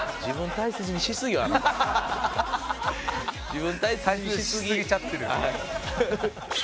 大切にしすぎちゃってる？